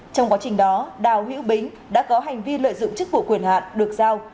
trong quá trình đó đào hữu bính đã có hành vi lợi dụng chức vụ quyền hạn được giao